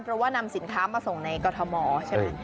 เพราะว่านำสินค้ามาส่งในกรทมใช่ไหม